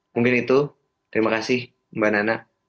mungkin itu terima kasih mbak nana